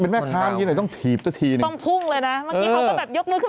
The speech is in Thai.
ต้องพุ่งเลยนะเมื่อกี้เขาก็แบบยกมือขึ้นมาเองอย่างนี้สิหนึ่ง